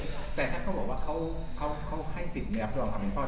แต่ถ้าเขาบอกว่าเขาให้สิทธิ์ไม่รับรองความเป็นพ่อ